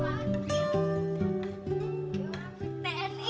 pertama anak anak berpengalaman untuk membuat film